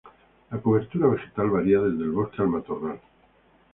La cobertura vegetal varía desde el bosque al matorral.